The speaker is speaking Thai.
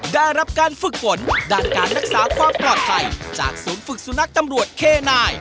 ได้รับการฝึกฝนด้านการรักษาความปลอดภัยจากศูนย์ฝึกสุนัขตำรวจเคนาย